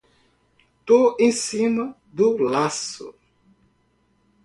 Tô em cima do laço